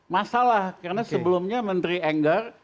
masalah karena sebelumnya menteri enggar